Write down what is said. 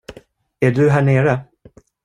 Är du här nere?